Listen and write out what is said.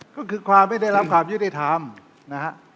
ก็คือความไม่ได้รับความยุติธรรมนะฮะ